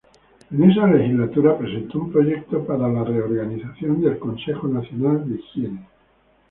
En esa legislatura presentó un proyecto para la reorganización del Consejo Nacional de Higiene.